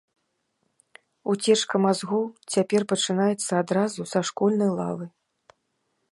Уцечка мазгоў цяпер пачынаецца адразу са школьнай лавы.